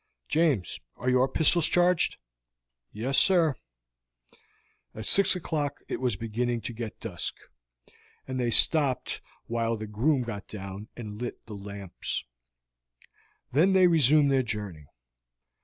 "James, are your pistols charged?" "Yes, sir." At six o'clock it was beginning to get dusk, and they stopped while the groom got down and lit the lamps; then they resumed their journey.